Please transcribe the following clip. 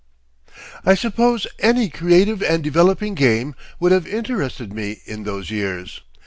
_..." I suppose any creative and developing game would have interested me in those years.